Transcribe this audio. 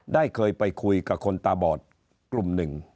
ได้เคยไปคุยกับคนตาบอดกลุ่มหนึ่ง